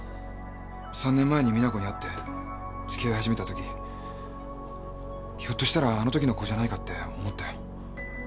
３年前に実那子に会ってつきあい始めたときひょっとしたらあのときの子じゃないかって思ったよ。